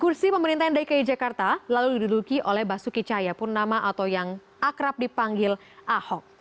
kursi pemerintahan dki jakarta lalu diduduki oleh basuki cahayapurnama atau yang akrab dipanggil ahok